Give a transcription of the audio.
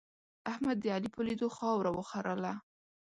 احمد د علي په لیدو خاوره وخرله.